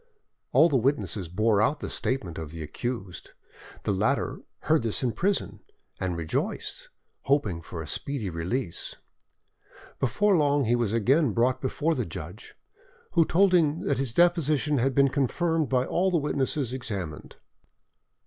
All the witnesses bore out the statement of the accused; the latter heard this in prison, and rejoiced, hoping for a speedy release. Before long he was again brought before the judge, who told him that his deposition had been confirmed by all the witnesses examined.